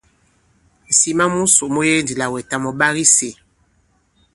Ŋ̀sìma musò mu yege ndī àlà wɛ̀tàm ɔ̀ ɓak i sī.